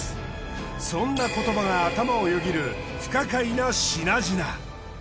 そんな言葉が頭をよぎる不可解な品々。